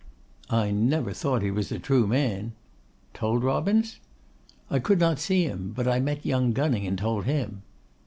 'I never thought he was a true man.' 'Told Robins?' 'I could not see him; but I met young Gunning and told him.